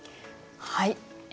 はい。